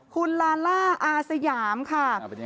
คุณลาราอาซญาตร์ค่ะ